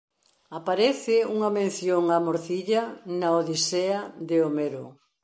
Aparece unha mención á morcilla na "Odisea" de Homero.